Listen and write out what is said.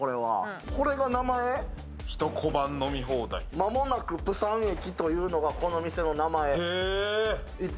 まもなく釜山駅というのが、この店の名前。